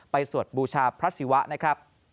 สวดบูชาพระศิวะนะครับ